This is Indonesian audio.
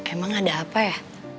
emang ada apa ya